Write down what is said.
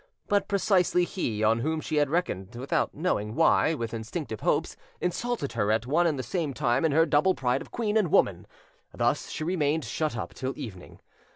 But precisely he, on whom she had reckoned, without knowing why, with instinctive hopes, insulted her at one and the same time in her double pride of queen and woman: thus she remained shut up till evening.